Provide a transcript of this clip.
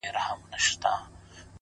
• چي ستا به اوس زه هسي ياد هم نه يم؛